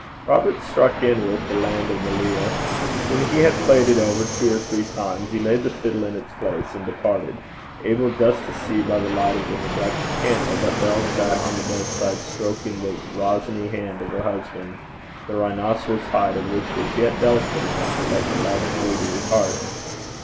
Robert struck in with The Lan' o' the Leal. When he had played it over two or three times, he laid the fiddle in its place, and departed able just to see, by the light of the neglected candle, that Bell sat on the bedside stroking the rosiny hand of her husband, the rhinoceros hide of which was yet delicate enough to let the love through to his heart.